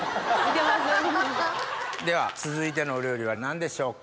では続いてのお料理は何でしょうか？